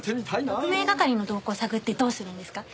特命係の動向探ってどうするんですか？